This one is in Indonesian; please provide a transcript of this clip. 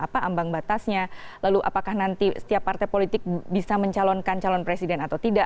apa ambang batasnya lalu apakah nanti setiap partai politik bisa mencalonkan calon presiden atau tidak